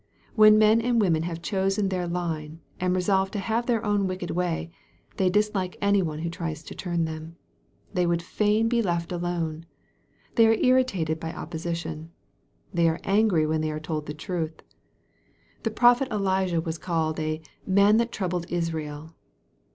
When men and women have chosen their line, and resolved to have their own wicked way, they dislike any one who tries to turn them. They would fain be let alone. They are irritated by op position. They are angry when they are told the truth. The prophet Elijah was called a " man that troubled Israel."